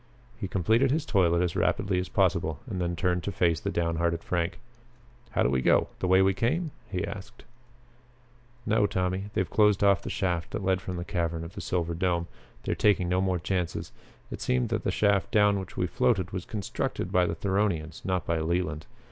He completed his toilet as rapidly as possible and then turned to face the down hearted Frank. "How do we go? The way we came?" he asked. "No, Tommy. They have closed off the shaft that led from the cavern of the silver dome. They are taking no more chances. It seems that the shaft down which we floated was constructed by the Theronians; not by Leland.